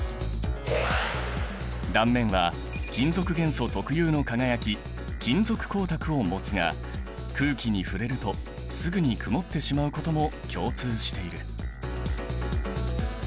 断面は金属元素特有の輝き金属光沢を持つが空気に触れるとすぐにくもってしまうことも共通している。